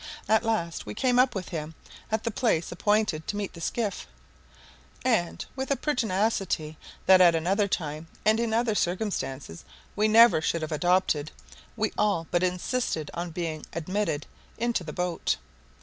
At last we came up with him at the place appointed to meet the skiff, and, with a pertinacity that at another time and in other circumstances we never should have adopted, we all but insisted on being admitted into the boat.